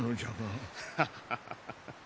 ハハハハ。